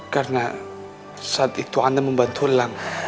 karena saat itu ana membantu lang